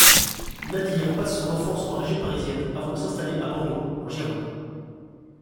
Nadir passe son enfance en région parisienne avant de s'installer à Bordeaux, en Gironde.